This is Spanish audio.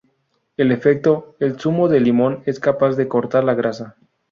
En efecto, el zumo de limón es capaz de cortar la grasa.